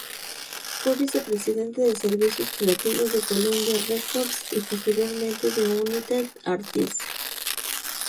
Fue vicepresidente de servicios creativos de Columbia Records y posteriormente de United Artists.